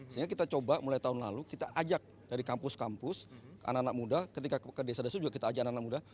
sehingga kita coba mulai tahun lalu kita ajak dari kampus kampus ke anak anak muda ketika ke desa desa juga kita ajak anak anak muda